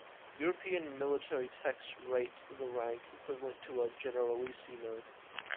European military texts rate the rank equivalent to a "generalissimo".